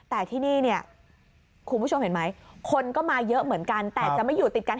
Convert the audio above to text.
แต่ที่นี่เนี่ยคุณผู้ชมเห็นไหมคนก็มาเยอะเหมือนกันแต่จะไม่อยู่ติดกัน